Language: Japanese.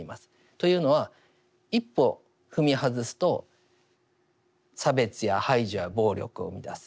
というのは一歩踏み外すと差別や排除や暴力を生みだす。